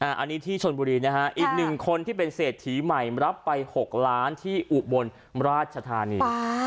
อันนี้ที่ชนบุรีนะฮะอีกหนึ่งคนที่เป็นเศรษฐีใหม่รับไป๖ล้านที่อุบลราชธานี